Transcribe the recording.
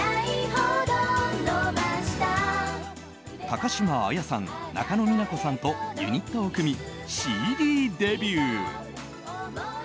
高島彩さん、中野美奈子さんとユニットを組みＣＤデビュー。